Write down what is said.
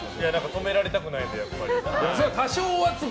止められたくないのでやっぱり。